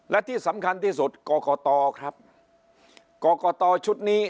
และที่สำคัญที่สุดกรกตครับกรกตชุดนี้